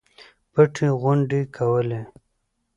پټې غونډې کولې.